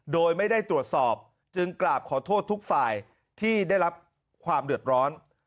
โดยไม่ได้ตรวจสอบจึงกราบขอโทษทุกฝ่ายที่ได้รับความเดือดร้อน